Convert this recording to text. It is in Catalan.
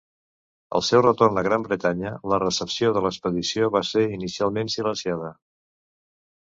Al seu retorn a Gran Bretanya, la recepció de l'expedició va ser inicialment silenciada.